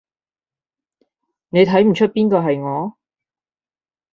你睇唔岀邊個係我？